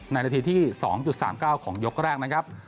นาทีที่๒๓๙ของยกแรกนะครับ